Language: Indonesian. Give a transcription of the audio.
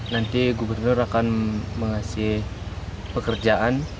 jadi gubernur akan mengasih pekerjaan